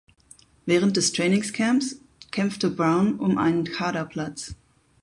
Während des Trainingscamps kämpfte Brown um einen Kaderplatz.